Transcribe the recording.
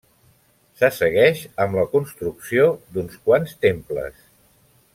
Se segueix amb la construcció d'uns quants temples.